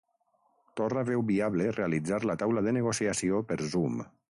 Torra veu viable realitzar la taula de negociació per Zoom